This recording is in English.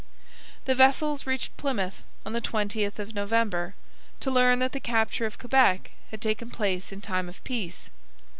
The vessels reached Plymouth on the 20th of November, to learn that the capture of Quebec had taken place in time of peace.